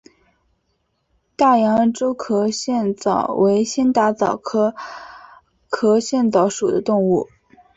大洋洲壳腺溞为仙达溞科壳腺溞属的动物。